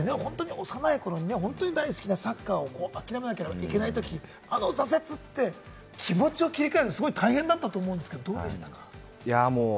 本当に幼い頃、大好きなサッカーを諦めなければいけないとき、挫折って気持ちを切り替えるのすごい大変だったと思うんですけど、どうでした？